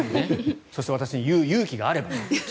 そして私に言う勇気があれば。